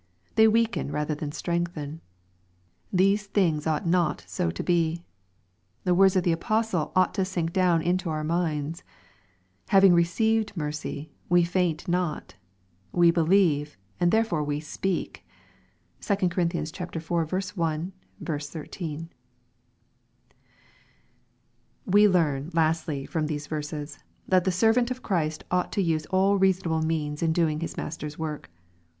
They weaken rather than strengthen. These things ought not 80 to be. The words of the apostle ought to sink down into our minds, " Having received mercy, we faint not. We believe, and therefore we speak/' (2 Cor. iv. 1, 13.) We learn, lastly, from these ver^if^a. that the servant of Christ ought to use all reasonable means in doing his Master's work.